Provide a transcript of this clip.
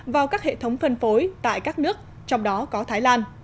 vào các hệ thống phân phối tại các nước trong đó có thái lan